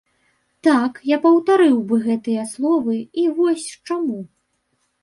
Так, я паўтарыў бы гэтыя словы і вось чаму.